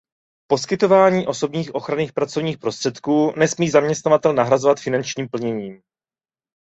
Poskytování osobních ochranných pracovních prostředků nesmí zaměstnavatel nahrazovat finančním plněním.